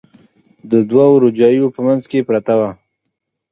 د دوو روجاییو په منځ کې پرته وه.